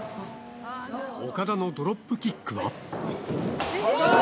オカダのドロップキックは？